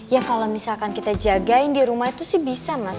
ya kalau misalkan kita jagain di rumah itu sih bisa mas